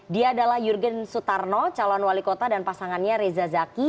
dia adalah jurgen sutarno calon wali kota dan pasangannya reza zaki